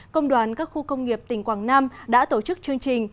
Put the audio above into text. công đoàn các khu công nghiệp tỉnh quảng nam đã tổ chức chương trình